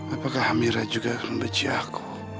apakah amira juga membenci aku